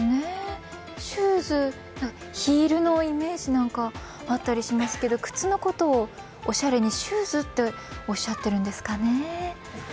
シューズ、ヒールのイメージなんかあったりしますけど靴のことをおしゃれにシューズっておっしゃってるんですかね。